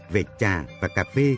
về trà và cà phê